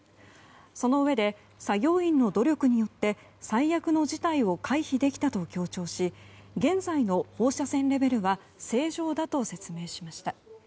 そのうえで作業員の努力によって最悪の事態を回避できたと強調し現在の放射線レベルは正常だと説明しました。